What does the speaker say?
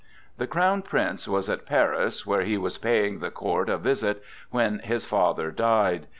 The Crown Prince was at Paris, where he was paying the court a visit, when his father died.